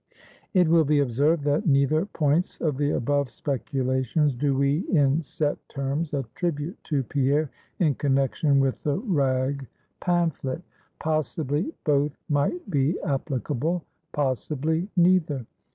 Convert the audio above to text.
It will be observed, that, neither points of the above speculations do we, in set terms, attribute to Pierre in connection with the rag pamphlet. Possibly both might be applicable; possibly neither.